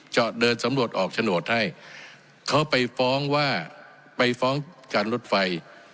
จะเดินสำรวจออกโฉนดให้เขาไปฟ้องว่าไปฟ้องการรถไฟ